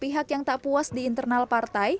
pihak yang tak puas di internal partai